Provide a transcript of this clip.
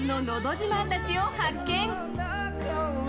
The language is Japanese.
自慢たちを発見。